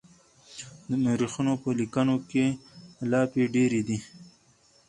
د مورخينو په ليکنو کې لافې ډېرې دي.